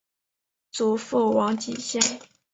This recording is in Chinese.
祖父王继先。